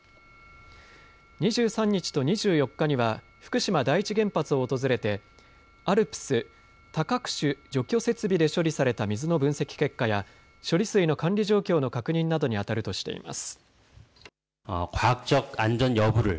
２３日と２４日には福島第一原発を訪れてＡＬＰＳ・多核種除去設備で処理された水の分析結果や処理水の管理状況の確認などにあたるとしています。